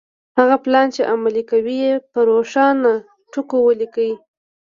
هغه پلان چې عملي کوئ يې په روښانه ټکو وليکئ.